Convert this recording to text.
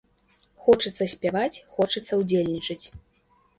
Хочацца спяваць, хочацца ўдзельнічаць.